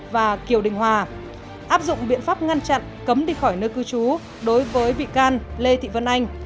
và kiều đình hòa áp dụng biện pháp ngăn chặn cấm đi khỏi nơi cư trú đối với bị can lê thị vân anh